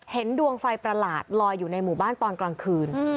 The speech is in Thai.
ดวงไฟประหลาดลอยอยู่ในหมู่บ้านตอนกลางคืน